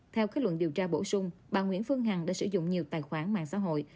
theo kết luận điều tra bổ sung bà nguyễn phương hằng đã sử dụng nhiều tài khoản mạng xã hội